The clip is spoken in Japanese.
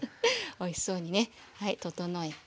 おいしそうにねはい整えて。